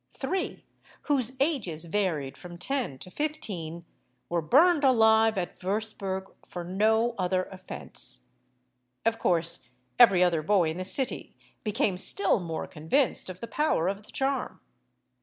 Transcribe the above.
Three, whose ages varied from ten to fifteen, were burned alive at Würzburg for no other offence. Of course every other boy in the city became still more convinced of the power of the charm.